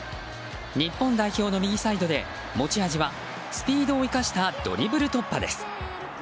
日本代表の右サイドで持ち味はスピードを生かしたドリブル突破です。